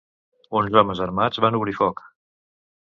Uns homes armats van obrir foc.